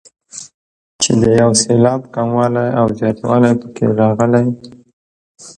چې د یو سېلاب کموالی او زیاتوالی پکې راغلی.